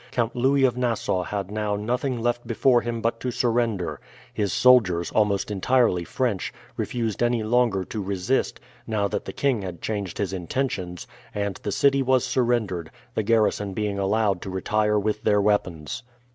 Count Louis of Nassau had now nothing left before him but to surrender. His soldiers, almost entirely French, refused any longer to resist, now that the king had changed his intentions, and the city was surrendered, the garrison being allowed to retire with their weapons.